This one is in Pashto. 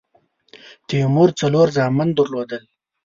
تیمور څلور زامن درلودل.